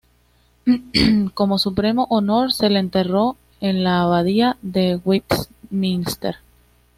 Como supremo honor, se le enterró en la abadía de Westminster.